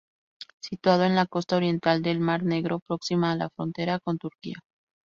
Situada en la costa oriental del mar Negro, próxima a la frontera con Turquía.